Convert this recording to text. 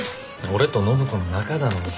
俺と暢子の仲だのに。